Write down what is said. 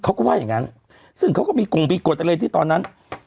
เขาก็ว่าอย่างงั้นซึ่งเขาก็มีกงมีกฎอะไรที่ตอนนั้น